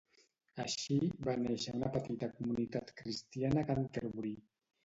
Així, va néixer una petita comunitat cristiana a Canterbury.